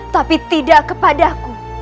tapi tidak kepada aku